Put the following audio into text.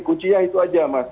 kucinya itu aja mas